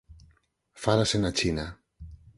Fálase na China.